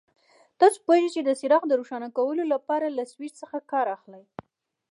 تاسو پوهېږئ چې د څراغ د روښانه کولو لپاره له سویچ څخه کار اخلي.